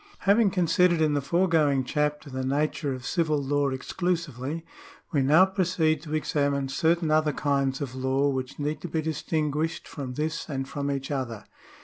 Having considered in the foregoing chapter the nature of civil law exclusively, we now proceed to examine certain other kinds of law which need to be distinguished from this and from each other.